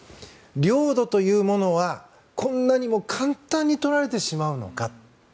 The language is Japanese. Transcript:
領土というものはこんなにも簡単に取られてしまうのかと。